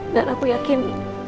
dan aku yakin